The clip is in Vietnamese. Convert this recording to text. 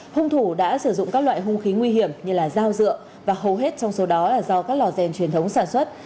hung thủ đã sử dụng các loại hung khí nguy hiểm như dao dựa và hầu hết trong số đó là do các lò rèn truyền thống sản xuất